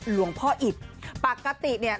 หลวงพ่ออิตปกติเนี่ย